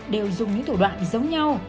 đều dùng những thủ đoạn giống nhau